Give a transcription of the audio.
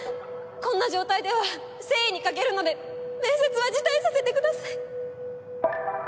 こんな状態では誠意に欠けるので面接は辞退させてください。